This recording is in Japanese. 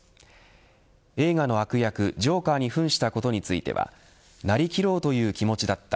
映画の悪役ジョーカーにふんしたことについてはなりきろうという気持ちだった。